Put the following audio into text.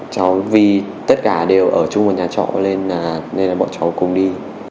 cháu vì tất cả đều ở chung một nhà trọ nên là bọn cháu cùng đi